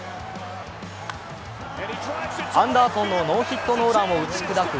アンダーソンのノーヒットノーランを打ち砕く